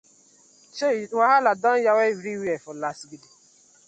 Chei, wahala don yawa everywhere for lasgidi.